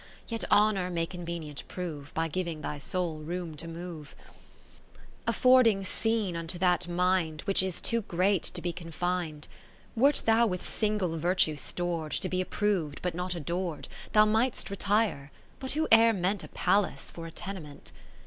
Yet honour may convenient prove. By giving thy soul room to move : ?,o Affording scene unto that mind, Which is too great to be confin'd. Wert thou with single virtue stor'd, To be approv'd but not ador'd ; Thou might'st retire ; but who e'er meant A palace for a tenement?